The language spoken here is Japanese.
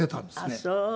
あっそう。